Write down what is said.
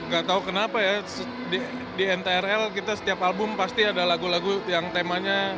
gak tau kenapa ya di ntrl kita setiap album pasti ada lagu lagu yang temanya